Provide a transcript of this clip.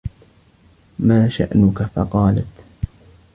مَا شَأْنُك ؟ فَقَالَتْ